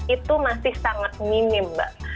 itu masih sangat minim mbak